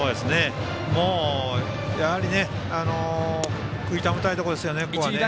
もう食い止めたいところですね。